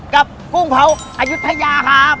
กุ้งเผาอายุทยาครับ